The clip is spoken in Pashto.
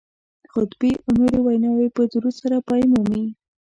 خطبې او نورې ویناوې په درود سره پای مومي